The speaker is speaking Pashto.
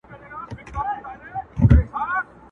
ستړې سوې مو درګاه ته یم راغلې٫